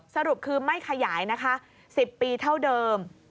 สรุปคือไม่ขยายนะคะ๑๐ปีเท่าเดิม